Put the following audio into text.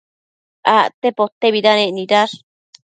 Acte potebidanec nidash